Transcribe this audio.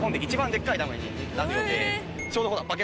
ちょうど。